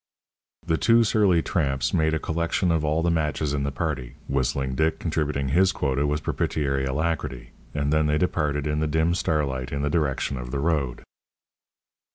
The two surly tramps made a collection of all the matches in the party, Whistling Dick contributing his quota with propitiatory alacrity, and then they departed in the dim starlight in the direction of the road.